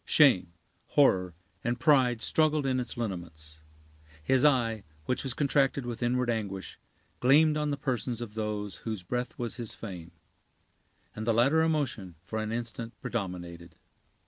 Shame, horror, and pride struggled in its lineaments. His eye, which was contracted with inward anguish, gleamed on the persons of those whose breath was his fame; and the latter emotion for an instant predominated.